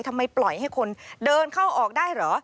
ทำไมปล่อยให้คนเดินเข้าออกได้เหรอ